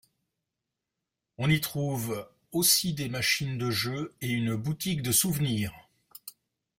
On y trouve aussi des machines de jeux et une boutique de souvenir.